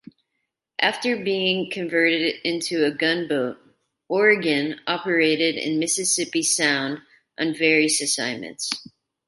After being converted into a gunboat, "Oregon" operated in Mississippi Sound on various assignments.